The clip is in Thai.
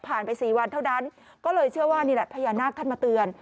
ไป๔วันเท่านั้นก็เลยเชื่อว่านี่แหละพญานาคท่านมาเตือน